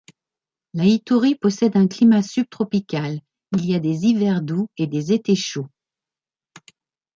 Laïtouripossède un climat subtropical, il y a des hivers doux et des étés chauds.